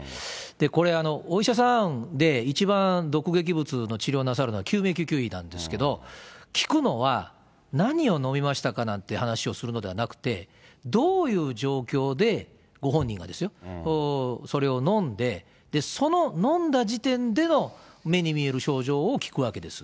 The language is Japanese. これ、お医者さんで、一番毒劇物の治療をなさるのは救命救急医なんですけれども、聞くのは、何を飲みましたかなんて話をするのではなくて、どういう状況で、ご本人がですよ、それを飲んで、その飲んだ時点での目に見える症状を聞くわけです。